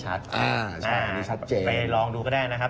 อันนี้ชัดเจนไปลองดูก็ได้นะครับ